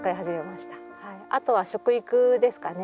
あとは食育ですかね